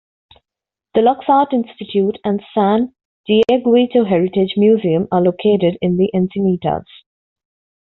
The Lux Art Institute and San Dieguito Heritage Museum are located in Encinitas.